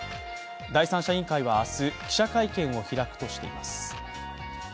第三者委員会は明日、記者会見を開くとしています。